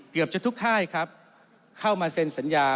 เกือบจะทุกค่ายครับเข้ามาเซ็นสัญญา